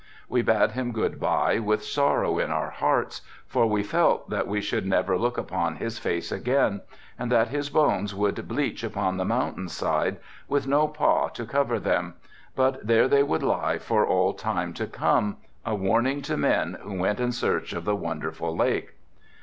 We bade him good bye with sorrow in our hearts, for we felt that we should never look upon his face again, and that his bones would bleach upon the mountain side, with no pah to covert them, but there they would lie for all time to come, a warning to men who went in search of the wonderful lake.